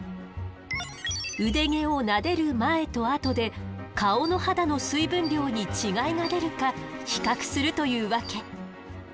腕毛をなでる前とあとで顔の肌の水分量に違いが出るか比較するというわけ。